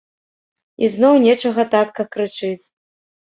Ізноў нечага татка крычыць.